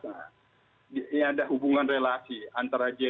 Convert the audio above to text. jadi ini adalah